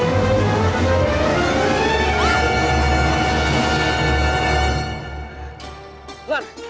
nanti aku pusing